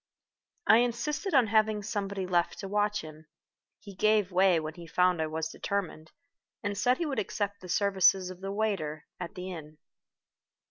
I insisted on having somebody left to watch him. He gave way when he found I was determined, and said he would accept the services of the waiter at the inn.